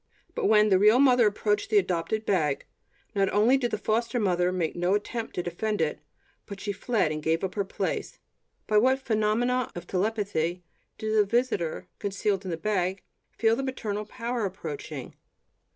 But when the real mother approached the adopted bag, not only did the foster mother make no attempt to defend it, but she fled and gave up her place. By what phenomenon of telepathy did the visitor concealed in the bag feel the maternal power approaching?